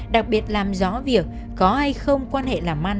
đặc biệt làm rõ việc có hay không quan hệ làm ăn